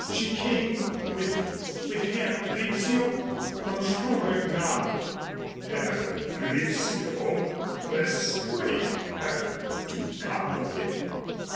"She came with with Herr Rizzio?" Von Stromberg nodded. "Herr Rizzio persuaded her to come with him."